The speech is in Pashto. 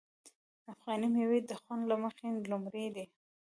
افغاني میوې د خوند له مخې لومړی دي.